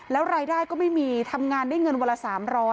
แล้วรายได้ก็ไม่มีทำงานได้เงินวันละ๓๐๐